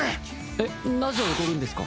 えっなぜ踊るんですか？